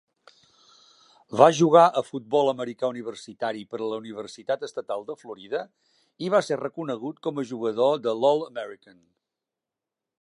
Va jugar a futbol americà universitari per a la Universitat Estatal de Florida, i va ser reconegut com a jugador de l'All-American.